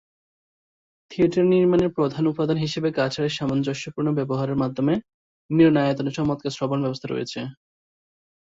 Theatre নির্মাণে প্রধান উপাদান হিসাবে কাঠের সামঞ্জস্যপূর্ণ ব্যবহার মাধ্যমে, মিলনায়তনে চমৎকার শ্রবণ ব্যবস্থা রয়েছে।